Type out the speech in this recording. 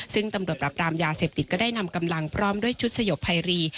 ซึ่งตำรวจปรับรามยาเสพติดก็ได้นำกำลังพร้อมด้วยชุดสยบภัยรี